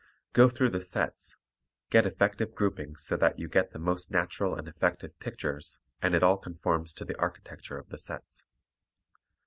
Go through the sets, get effective groupings so that you get the most natural and effective pictures and it all conforms to the architecture of the sets.